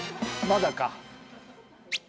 まだか。